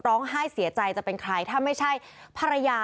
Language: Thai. ร้องไห้เสียใจจะเป็นใครถ้าไม่ใช่ภรรยา